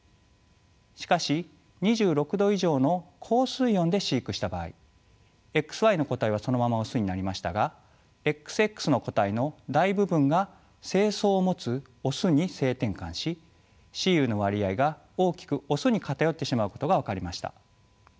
しかし２６度以上の高水温で飼育した場合ＸＹの個体はそのままオスになりましたがＸＸの個体の大部分が精巣を持つオスに性転換し雌雄の割合が大きくオスに偏ってしまうことが分かりました。